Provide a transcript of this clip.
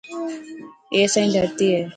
اي اسائي ڌرتي هي.